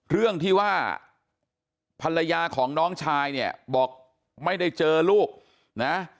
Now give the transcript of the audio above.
เรื่องที่ว่าภรรยาของน้องชายเนี่ยบอกไม่ได้เจอลูกนะ